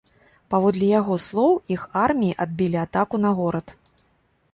Паводле яго слоў, іх арміі адбілі атаку на горад.